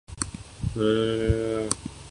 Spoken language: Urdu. وولبر بچے کچھ بچے وولبر ہوتے ہیں۔